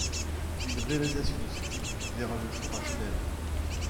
Une réalisation de ce type verra le jour à Genève.